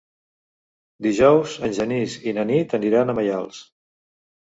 Dijous en Genís i na Nit aniran a Maials.